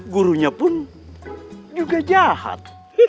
gurunya pun juga jahat